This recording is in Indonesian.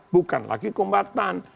bukan lagi kombatan